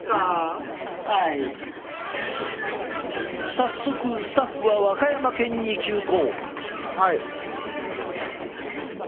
早速スタッフは和歌山県に急行！